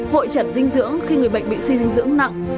hội chất dinh dưỡng khi người bệnh bị suy dinh dưỡng nặng